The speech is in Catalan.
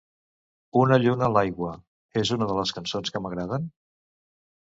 "Una lluna l'aigua" és una de les cançons que m'agraden?